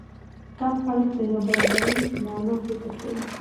کم خلک د نابرابرۍ معنی فکر کوي.